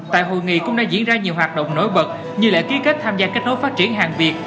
tại hội nghị cũng đã diễn ra nhiều hoạt động nổi bật như lễ ký kết tham gia kết nối phát triển hàng việt